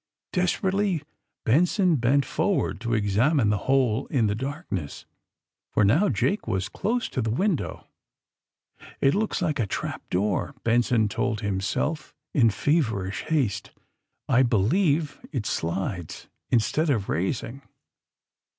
'' Desperately Benson bent forward to examine the hole in the darkness, for now Jake was close to the window. ^^It looks like a trap door," Benson told him self, in feverish haste. ^'I believe it slides in stead of raising."